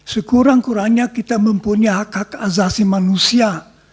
sekurang kurangnya kita mempunyai hak hak azasi manusia